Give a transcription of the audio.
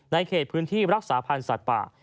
เขตพื้นที่รักษาพันธ์สัตว์ป่า